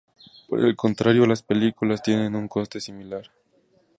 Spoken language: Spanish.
Por el contrario las películas tienen un coste similar.